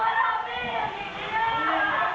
สวัสดีครับ